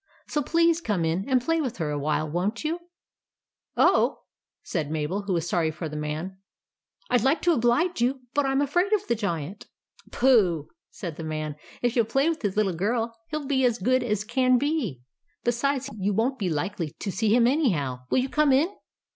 So please come in and play with her a while, won't you ?"" Oh," said Mabel, who was sorry for the man, " I 'd like to oblige you, but I 'm afraid of the Giant." " Pooh !" said the man, " if you '11 play with his little girl, he '11 be as good as can be ; and besides you won't be likely to see him anyhow. Will you come in